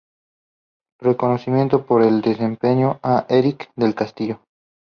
Reconocimiento por Desempeño a Eric del Castillo.